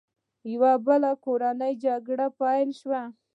یوه بله کورنۍ جګړه پیل شوه.